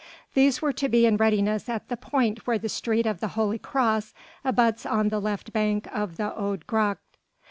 These were to be in readiness at the point where the street of the Holy Cross abuts on the left bank of the Oude Gracht.